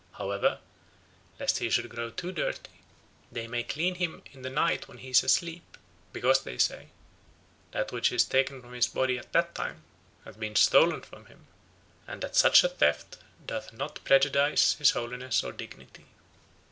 However, lest he should grow too dirty, they may clean him in the night when he is asleep; because, they say, that which is taken from his body at that time, hath been stolen from him, and that such a theft doth not prejudice his holiness or dignity.